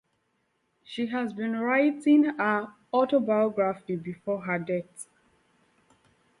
She had been writing her autobiography before her death.